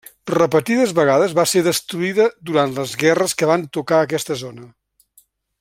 Repetides vegades va ser destruïda durant les guerres que van tocar aquesta zona.